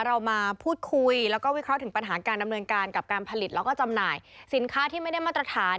เรามาพูดคุยแล้วก็วิเคราะห์ถึงปัญหาการดำเนินการกับการผลิตแล้วก็จำหน่ายสินค้าที่ไม่ได้มาตรฐาน